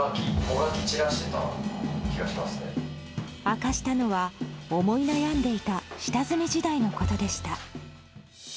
明かしたのは、思い悩んでいた下積み時代のことでした。